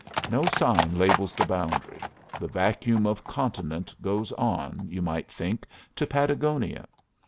No sign labels the boundary; the vacuum of continent goes on, you might think, to Patagonia.